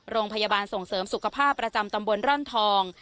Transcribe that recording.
โรงพยาบาลส่งเสริมสุขภาพประจำตำบลร่อนทอง